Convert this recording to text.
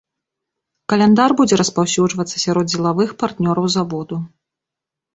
Каляндар будзе распаўсюджвацца сярод дзелавых партнёраў заводу.